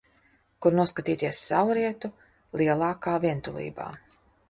Kur noskatīties saulrietu lielākā vientulībā.